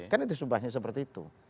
kan itu sumpahnya seperti itu